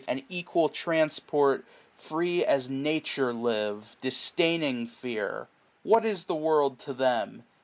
And equal transport, fi:ce as Nature live. Disdaining fear. What is the world to them